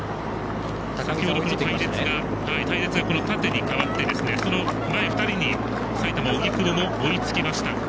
隊列が縦に変わって前２人に埼玉、荻久保も追いつきました。